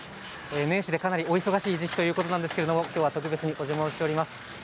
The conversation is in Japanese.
年始でお忙しい時期ということですが、今日は特別にお邪魔しております。